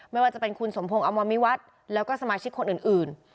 ไม่ว่าจะเป็นคุณสมพงศ์อมมิวัฒน์แล้วก็สมาชิกคนอื่น